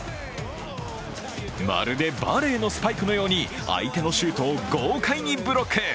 まるでバレーのスパイクのように相手のシュートを豪快にブロック。